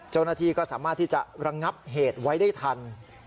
เจ้าหน้าที่ก็สามารถที่จะระงับเหตุไว้ได้ทัน